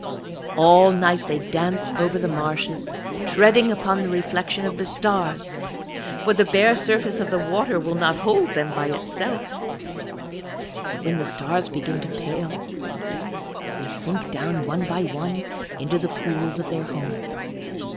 All night they dance over the marshes, treading upon the reflection of the stars (for the bare surface of the water will not hold them by itself); but when the stars begin to pale, they sink down one by one into the pools of their home.